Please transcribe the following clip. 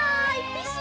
ピシ！